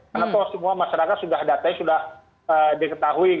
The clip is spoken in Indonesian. karena semua masyarakat sudah datanya sudah diketahui